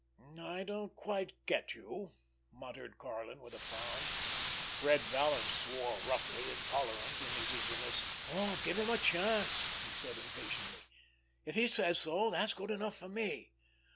"I don't quite get you," muttered Karlin, with a frown. Red Vallon swore roughly, intolerant in his eagerness. "Aw, give him a chance!" he said impatiently. "If he says so, that's good enough for me.